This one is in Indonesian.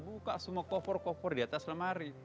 buka semua kofor kofor di atas lemari